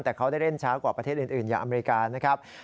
แต่เขาได้เล่นช้ากว่าประเทศอื่นอย่างอเมริกานะครับ